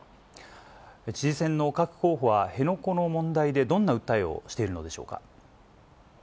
知事選の各候補は、辺野古の問題でどんな訴えをしているのでしょうか。